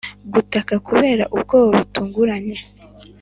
gutaka kubera ubwoba butunguranye